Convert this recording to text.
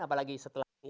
apalagi setelah pandemi